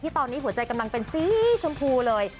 ตอนนี้หัวใจกำลังเป็นสีชมพูเลย